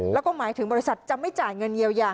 แล้วก็หมายถึงบริษัทจะไม่จ่ายเงินเยียวยา